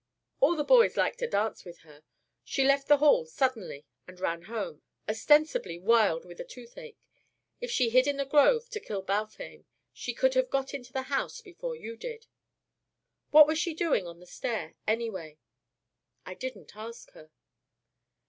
All the boys like to dance with her. She left the hall suddenly and ran home ostensibly wild with a toothache. If she hid in the grove to kill Balfame she could have got into the house before you did. What was she doing on the stair, anyway?" "I didn't ask her."